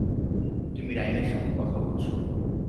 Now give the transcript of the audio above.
তুমি রাইমের সাথে কথা বলছো?